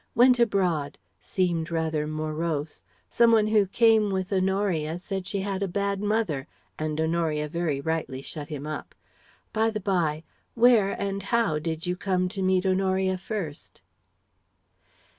"Went abroad. Seemed rather morose. Some one who came with Honoria said she had a bad mother, and Honoria very rightly shut him up. By the bye, where and how did you come to meet Honoria first?"